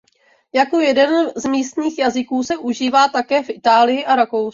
Jako jeden z místních jazyků se užívá také v Itálii a v Rakousku.